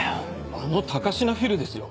あの高階フィルですよ？